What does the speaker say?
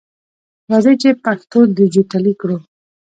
راځئ چې پښتو ډیجټالي کړو!